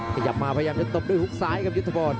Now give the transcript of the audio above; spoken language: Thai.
ขยับมาพยายามจะตบด้วยฮุกซ้ายครับยุทธพร